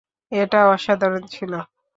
এটা অসাধারণ ছিল।